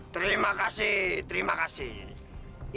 terima kasih terima kasih